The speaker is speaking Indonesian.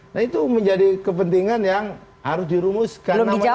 nah itu menjadi kepentingan yang harus dirumuskan namanya